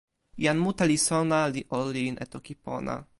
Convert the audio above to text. jan mute li sona li olin e toki pona.